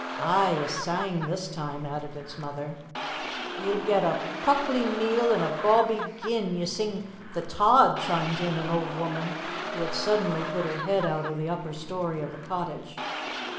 "Aye, a sang this time," added its mother. "Ye'll get a pucklie meal an' a bawbee gin' ye sing 'The Tod,'"* [*Fox.] chimed in an old woman, who had suddenly put her head out of the upper story of the cottage.